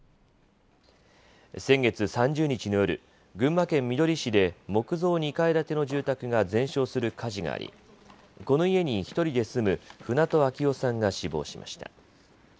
先月３０日の夜、群馬県みどり市で木造２階建ての住宅が全焼する火事がありこの家に１人で住む船戸秋雄さんが死亡しました。